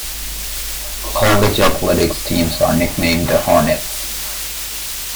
College athletics teams are nicknamed the Hornets.